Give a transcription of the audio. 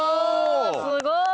すごい！